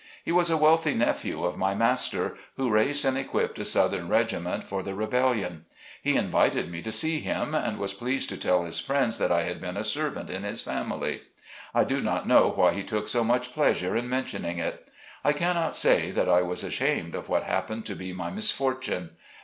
He was a wealthy nephew of my master, who raised and equipped a southern regiment for the rebellion. He invited me to see him, and was pleased to tell his friends that I had been a servant in his family. I do not know why he took so much pleasure in mentioning it. I cannot say that I was ashamed of what happened to be my misfortune.